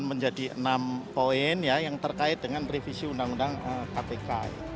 menjadi enam poin yang terkait dengan revisi undang undang kpk